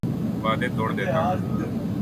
وعدے توڑ دیتا ہوں